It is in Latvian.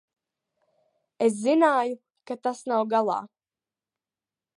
Es zināju, ka tas nav galā.